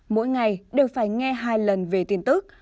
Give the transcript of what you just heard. mỗi ngày đều phải nghe hai lần về tin tức